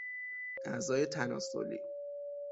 اعضای تناسلی